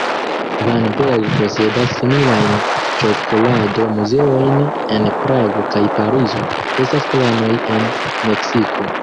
Van Belle posedas similajn ĉokolado-muzeojn en Prago kaj Parizo; estas planoj en Meksiko.